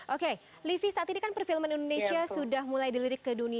oke livi saat ini kan perfilman indonesia sudah mulai dilirik ke dunia